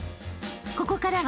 ［ここからは］